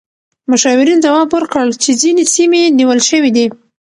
مشاورین ځواب ورکړ چې ځینې سیمې نیول شوې دي.